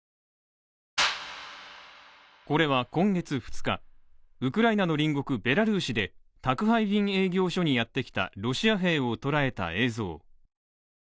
これは今月２日、ウクライナの隣国、ベラルーシで宅配便営業所にやってきたロシア兵をとらえた映像。